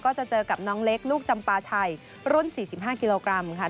จะเจอกับน้องเล็กลูกจำปาชัยรุ่น๔๕กิโลกรัมค่ะ